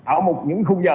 ở những khung giờ